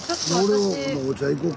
俺お茶行こうか？